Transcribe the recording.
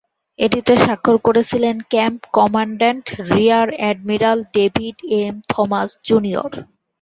এটিতে স্বাক্ষর করেছিলেন camp commandant rear admiral David M Thomas junior.